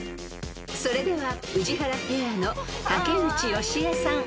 ［それでは宇治原ペアの竹内由恵さん